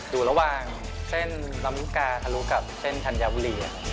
อยู่ระหว่างเส้นลำกาทะลูกับเส้นทันยาวหลี่